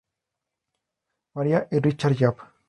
Maria y Richard Yap.